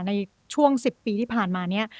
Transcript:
ในช่วง๑๐ปีที่ผ่านมานี้